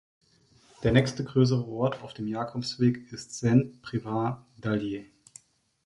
Der nächste größere Ort auf dem Jakobsweg ist Saint-Privat-d’Allier.